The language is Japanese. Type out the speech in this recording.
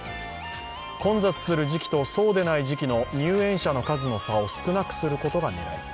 混雑する時期とそうでない時期の入園者の数の差を少なくすることが狙い。